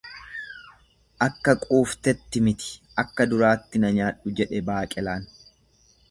Akka quuftetti miti akka duraatti na nyaadhu, jedhe baaqelaan.